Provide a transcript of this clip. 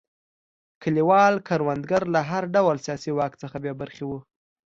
کلیوال کروندګر له هر ډول سیاسي واک څخه بې برخې وو.